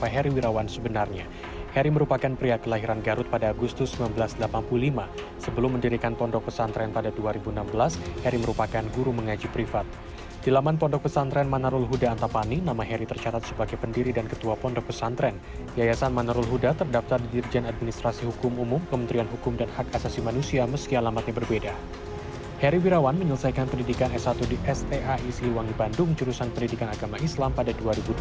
heri wirawan menyelesaikan pendidikan s satu di sta isiwangi bandung jurusan pendidikan agama islam pada dua ribu dua belas